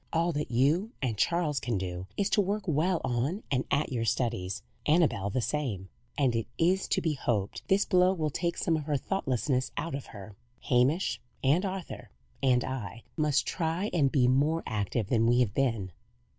All that you and Charles can do is to work well on at your studies Annabel the same; and it is to be hoped this blow will take some of her thoughtlessness out of her. Hamish, and Arthur, and I, must try and be more active than we have been."